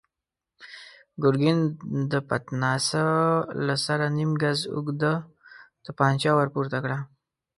ګرګين د پتناسه له سره نيم ګز اوږده توپانچه ور پورته کړه.